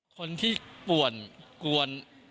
คนที่ป่วนกวน